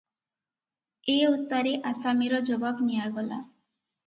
ଏ ଉତ୍ତାରେ ଆସାମୀର ଜବାବ ନିଆଗଲା ।